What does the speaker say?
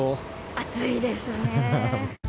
暑いですね。